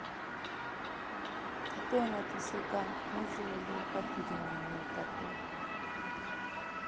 Katuena tuseka muzulu patudi ne nyotato.